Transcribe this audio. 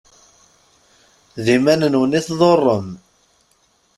D iman-nwen i tḍurrem.